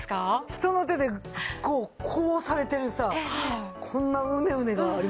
人の手でこうされてるさこんなうねうねがありますよね。